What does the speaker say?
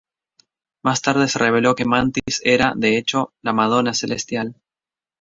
Más tarde se reveló que Mantis era, de hecho, la "Madonna celestial".